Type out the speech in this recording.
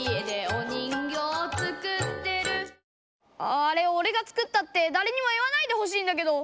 あああれおれが作ったってだれにも言わないでほしいんだけど。